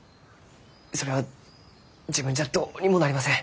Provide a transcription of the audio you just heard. それは自分じゃどうにもなりません。